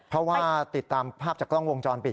เพราะว่าติดตามภาพจากกล้องวงจรปิด